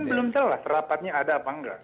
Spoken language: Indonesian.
kan belum tahu lah rapatnya ada apa nggak